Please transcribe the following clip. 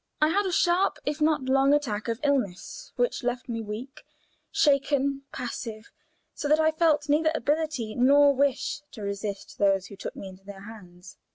I had a sharp, if not a long attack of illness, which left me weak, shaken, passive, so that I felt neither ability nor wish to resist those who took me into their hands.